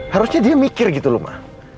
harusnya dia mikir gitu ma